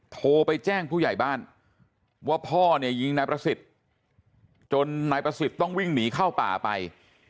โทรไปแจ้งผู้ใหญ่บ้านว่าพ่อเนี่ยยิงนายประสิทธิ์จนนายประสิทธิ์ต้องวิ่งหนีเข้าป่าไป